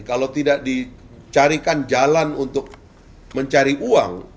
kalau tidak dicarikan jalan untuk mencari uang